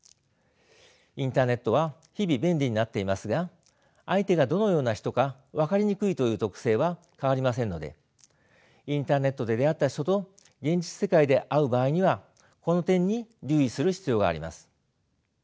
インターネットは日々便利になっていますが相手がどのような人か分かりにくいという特性は変わりませんのでインターネットで出会った人と現実世界で会う場合にはこの点に留意する必要があります。